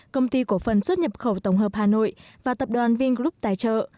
công ty cổ phần xuất nhập khẩu tổng hợp hà nội và tập đoàn vingroup tài trợ